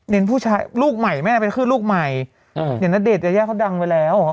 เน้นผู้ชายลูกใหม่แม่เป็นครื่นลูกใหม่อืมเน้นณเดชย่าเขาดังไว้แล้ว